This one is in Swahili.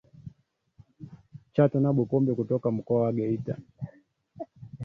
Chato na Bukombe kutoka Mkoa wa Geita